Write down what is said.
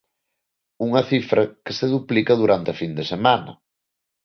Unha cifra que se duplica durante a fin de semana.